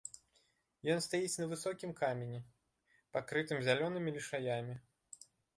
Ён стаіць на высокім камені, пакрытым зялёнымі лішаямі.